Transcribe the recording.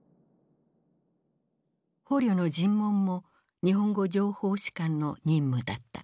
捕虜の尋問も日本語情報士官の任務だった。